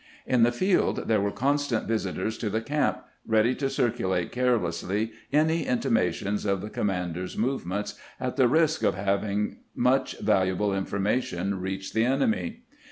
In the field there were constant visitors to the camp, ready to circulate carelessly any intimations of the commander's move ments, at the risk of having such valuable information reach the enemy.